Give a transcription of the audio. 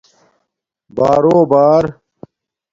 بارݸبݳر